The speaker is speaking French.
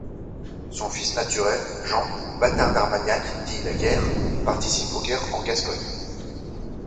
Son fils naturel, Jean, bâtard d'Armagnac, dit la Guerre, participe aux guerres en Gascogne.